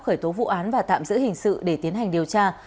khởi tố vụ án và tạm giữ hình sự để tiến hành điều tra